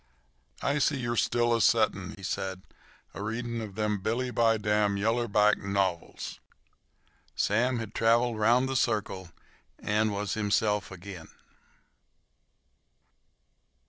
"I see you are still a settin'," he said, "a readin' of them billy by dam yaller back novils." Sam had traveled round the circle and was himself again.